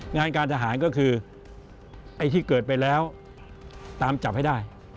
งานการทหารก็คือไอ้ที่เกิดไปแล้วตามจับให้ได้